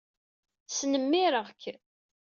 Snemmireɣ-k.